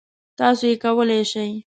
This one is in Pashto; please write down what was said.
تاسو یې کولی شئ!